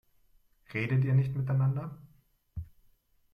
Redet ihr nicht miteinander?